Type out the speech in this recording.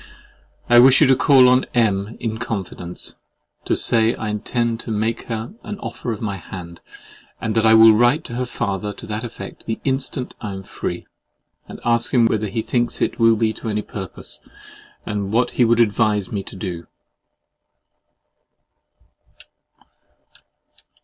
I wish you to call on M—— in confidence, to say I intend to make her an offer of my hand, and that I will write to her father to that effect the instant I am free, and ask him whether he thinks it will be to any purpose, and what he would advise me to do.